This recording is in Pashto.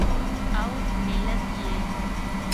او ملت یې